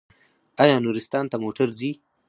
آیا نورستان ته موټر ځي؟